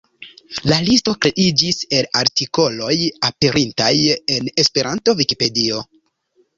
La listo kreiĝis el artikoloj aperintaj en Esperanta Vikipedio.